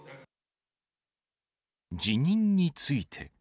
辞任について。